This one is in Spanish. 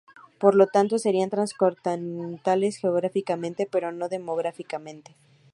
Por lo tanto, serían transcontinentales geográficamente, pero no demográficamente.